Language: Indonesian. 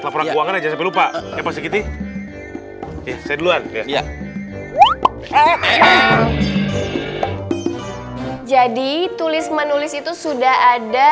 laporan keuangan aja lupa lupa segitu saya duluan iya jadi tulis menulis itu sudah ada